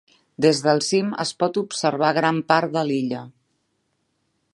Des del cim es pot observar gran part de l'illa.